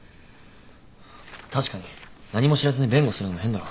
確かに何も知らずに弁護するのも変だろ。